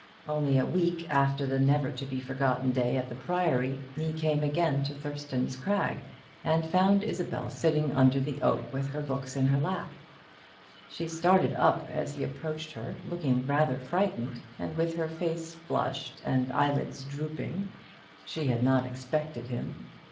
Only a week after the never to be forgotten day at the Priory, he came again to Thurston's Crag, and found Isabel sitting under the oak with her books in her lap. She started up as he approached her, looking rather frightened, and with her face flushed and her eyelids drooping. She had not expected him.